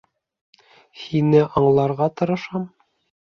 Һине аңларға тырышам.